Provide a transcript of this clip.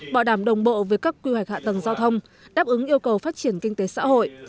bảo đảm đồng bộ với các quy hoạch hạ tầng giao thông đáp ứng yêu cầu phát triển kinh tế xã hội